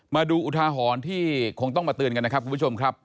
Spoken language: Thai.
อุทาหรณ์ที่คงต้องมาเตือนกันนะครับคุณผู้ชมครับ